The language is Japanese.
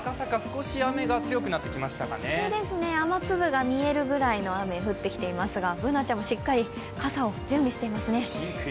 雨粒が見えるくらいの雨が降ってきていますがＢｏｏｎａちゃんもしっかり傘を準備していますね。